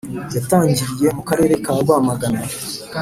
yatangiriye mu karere ka rwamagana